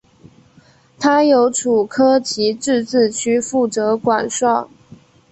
它由楚科奇自治区负责管辖。